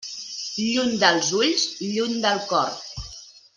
Lluny dels ulls, lluny del cor.